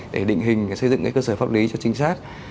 để định hình xây dựng cơ sở pháp lý cho chính xác